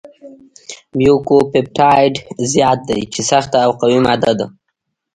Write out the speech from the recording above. میوکوپپټایډ زیات دی چې سخته او قوي ماده ده.